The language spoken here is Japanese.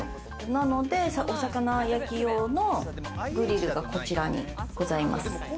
なので、お魚焼き用のグリルがこちらにございます。